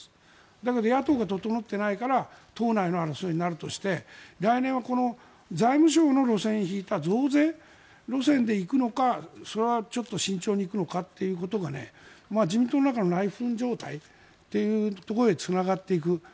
だけど野党が整っていないから党内の争いになるとして来年は財務省の路線を引いた増税路線で行くのかそれはちょっと慎重に行くのかということが自民党の中の内紛状態というところにつながっていく。